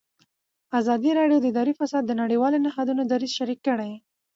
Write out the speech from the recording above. ازادي راډیو د اداري فساد د نړیوالو نهادونو دریځ شریک کړی.